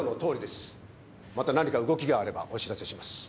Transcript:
また何か動きがあればお知らせします。